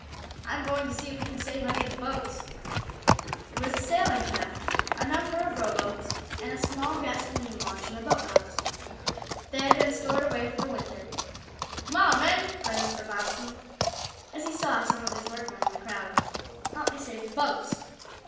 "I'm going to see if we can save any of the boats." There was a sailing craft, a number of rowboats, and a small gasoline launch in the boathouse. They had been stored away for the winter. "Come on, men!" cried Mr. Bobbsey, as he saw some of his workmen in the crowd. "Help me save the boats!"